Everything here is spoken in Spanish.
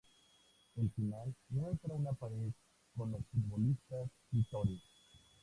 El final muestra una pared con los futbolistas vítores.